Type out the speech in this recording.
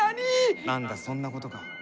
何だそんなことか。